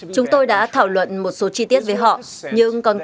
chúng tôi đã thảo luận một số chi tiết về họ